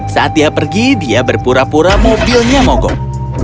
saat dia pergi dia berpura pura mobilnya mogok